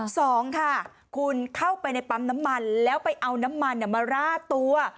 สองค่ะคุณเข้าไปในปั๊มน้ำมันแล้วไปเอาน้ำมันมาราดตัว